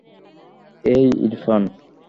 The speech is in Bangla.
এই, ইরফান।